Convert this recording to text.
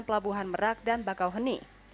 pelabuhan merak dan bakau heni